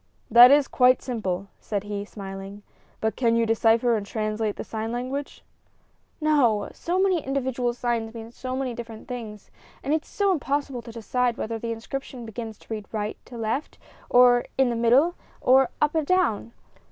"That is quite simple," said he, smiling; "but can you decipher and translate the sign language?" "No; so many individual signs mean so many different things, and it is so impossible to decide whether the inscription begins to read from right to left, or in the middle, or up or down!"